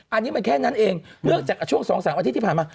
อันนี้มันแค่นั้นเองเนื่องจากช่วง๒๓อาทิตย์ที่ผ่านมา